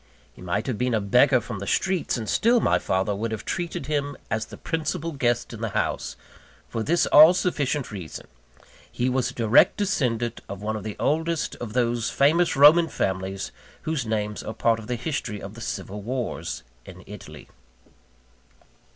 He might have been a beggar from the streets; and still my father would have treated him as the principal guest in the house, for this all sufficient reason he was a direct descendant of one of the oldest of those famous Roman families whose names are part of the history of the Civil Wars in Italy.